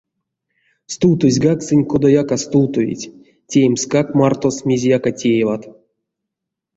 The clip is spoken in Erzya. Стувтозьгак сынь кодаяк а стувтовить, теемскак мартост мезеяк а тееват.